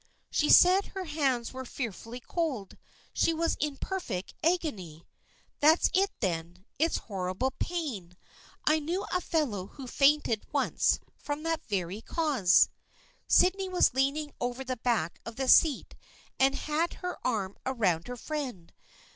'" She said her hands were fearfully cold. She was in perfect agony." " That's it, then. It is horrible pain. I knew a fellow who fainted once from that very cause." Sydney was leaning over the back of the seat and had her arm around her friend.